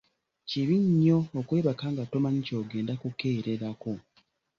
Kibi nnyo okwebaka nga tomanyi ky'ogenda kukeererako.